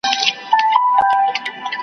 ته د پلار ښکنځل لیکلي وه .